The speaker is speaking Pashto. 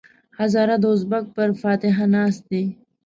هزاره د ازبک پر فاتحه ناست دی.